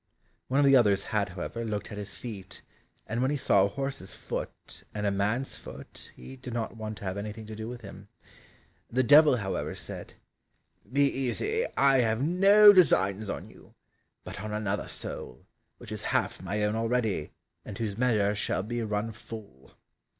One of the others had, however, looked at his feet, and when he saw a horse's foot and a man's foot, he did not want to have anything to do with him. The Devil, however, said, "Be easy, I have no designs on you, but on another soul, which is half my own already, and whose measure shall but run full."